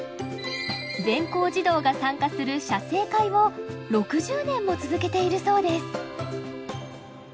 全校児童が参加する写生会を６０年も続けているそうです。